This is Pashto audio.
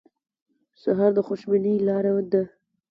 سهار د خوشبینۍ لاره ده.